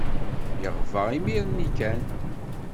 Yeɣba imir-nni kan.